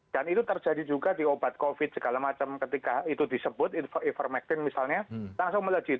dan itu terjadi juga di obat covid segala macam ketika itu disebut ivermectin misalnya langsung melejit